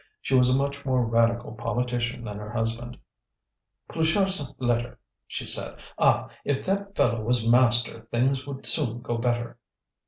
She was a much more radical politician than her husband. "Pluchart's letter," she said. "Ah! if that fellow was master things would soon go better."